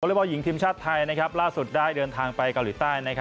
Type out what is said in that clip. เล็กบอลหญิงทีมชาติไทยล่าสุดได้เดินทางไปเกาหลีใต้